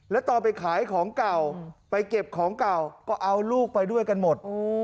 แล้วตอนไปขายของเก่าไปเก็บของเก่าก็เอาลูกไปด้วยกันหมด